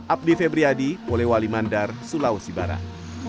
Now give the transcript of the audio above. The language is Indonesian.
abdi febriadi polewali mandar sulawesi barat